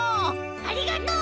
ありがとう！